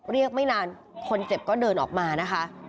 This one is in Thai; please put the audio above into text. ไม่นานคนเจ็บก็เดินออกมานะคะ